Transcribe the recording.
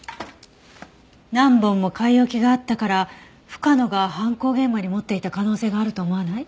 何本も買い置きがあったから深野が犯行現場に持っていった可能性があると思わない？